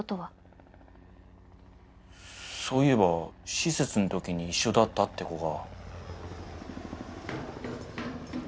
そういえば施設の時に一緒だったって子が。